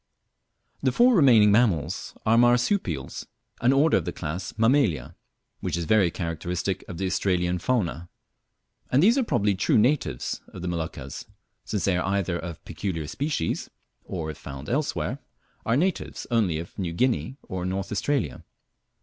The four remaining mammals are Marsupials, an order of the class Mammalia, which is very characteristic of the Australian fauna; and these are probably true natives of the Moluccas, since they are either of peculiar species, or if found elsewhere are natives only of New Guinea or North Australia.